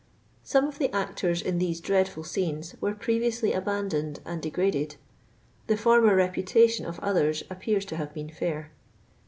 Some of the actors in these dreadful scenes were previously abandoned and degraded. The former reputation of others appears to have been fair.